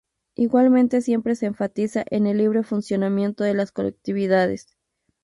Igualmente siempre se enfatiza en el libre funcionamiento de las colectividades.